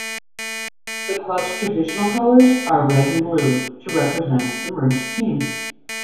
The club's traditional colours are red and blue, to represent the merged teams.